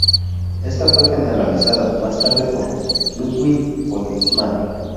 Esta fue generalizada, más tarde, por Ludwig Boltzmann.